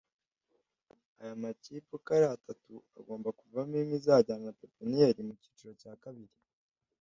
Aya makipe uko ari atatu agomba kuvamo imwe izajyana na Pepiniere mu cyiciro cya kabiri